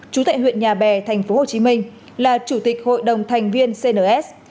chủ tệ huyện nhà bè tp hcm là chủ tịch hội đồng thành viên cns